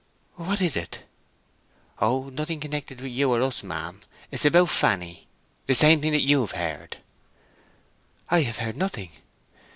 "What is it?" "Oh, nothing connected with you or us, ma'am. It is about Fanny. That same thing you have heard." "I have heard nothing."